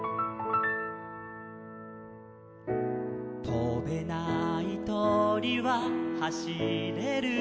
「とべないとりははしれるとり」